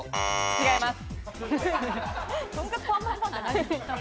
違います。